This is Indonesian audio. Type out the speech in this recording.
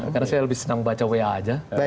karena saya lebih senang baca wa aja